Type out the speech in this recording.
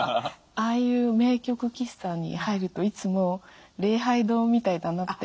ああいう名曲喫茶に入るといつも礼拝堂みたいだなって思うんですね。